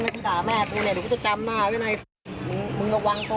ตี้พารหยอดต่อเล็ตตา๑๐๐๐วินาทีเลยนะครับ